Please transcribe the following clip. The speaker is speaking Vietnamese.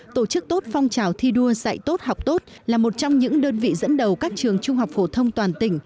tổ chức tốt phong trào thi đua dạy tốt học tốt là một trong những đơn vị dẫn đầu các trường trung học phổ thông toàn tỉnh